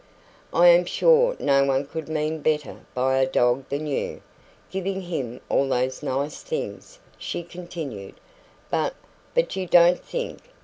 "I am sure no one could mean better by a dog than you, giving him all those nice things," she continued. "But but you don't THINK.